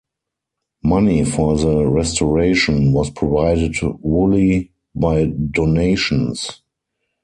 Money for the restoration was provided wholly by donations.